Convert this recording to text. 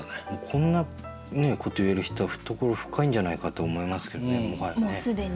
こんなこと言える人は懐深いんじゃないかと思いますけどねもはやね。